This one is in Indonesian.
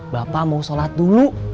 bapak mau sholat dulu